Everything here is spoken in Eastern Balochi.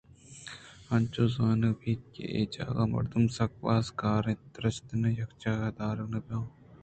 انچو زانگ بیت کہ اے جاگہ ءَ مردم سک باز کار ءَ اِنت ءُدُرٛستانءَ یک جاہے ءَ دارگ نہ بیت